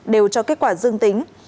đều cho kết quả dương tính